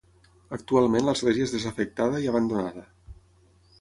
Actualment l'església és desafectada i abandonada.